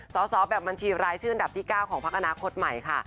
สอบแบบบัญชีรายชื่ออันดับที่๙ของพักอนาคตใหม่ค่ะ